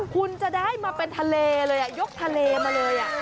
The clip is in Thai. คุณจะได้มาเป็นทะเลเลยยกทะเลมาเลย